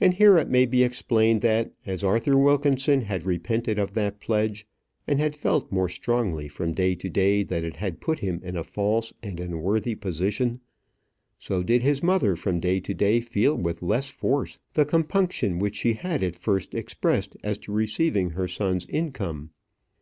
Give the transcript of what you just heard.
And here it may be explained, that as Arthur Wilkinson had repented of that pledge, and had felt more strongly from day to day that it had put him in a false and unworthy position, so did his mother from day to day feel with less force the compunction which she had at first expressed as to receiving her son's income.